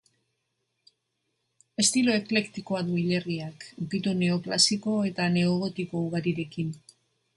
Estilo eklektikoa du hilerriak, ukitu neoklasiko eta neogotiko ugarirekin.